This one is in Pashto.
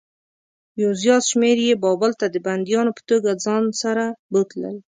یو زیات شمېر یې بابل ته د بندیانو په توګه ځان سره بوتلل.